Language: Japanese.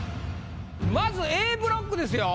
まずＡブロックですよ。